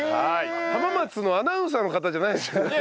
浜松のアナウンサーの方じゃないですよね？